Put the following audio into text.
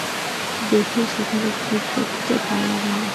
দেখি, সেখানে কি করতে পারা যায়।